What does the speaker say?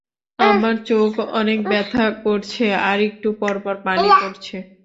আমার চোখ অনেক ব্যথা করছে আর একটু পর পর পানি পরছে।